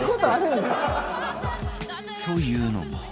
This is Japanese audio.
というのも